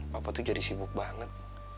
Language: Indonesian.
papa tuh jadi sibuk banget